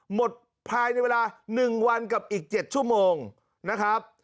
หมดภายในเวลา๑วันกับอีก๗ชั่วโมงนะครับ